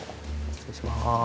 失礼します。